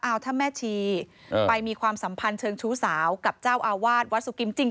เอาถ้าแม่ชีไปมีความสัมพันธ์เชิงชู้สาวกับเจ้าอาวาสวัดสุกิมจริง